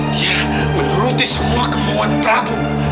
dia menuruti semua kemauan prabu